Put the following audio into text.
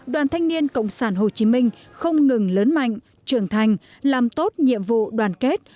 đoàn thanh niên cộng sản hồ chí minh không ngừng lớn mạnh trưởng thành làm tốt nhiệm vụ đoàn kết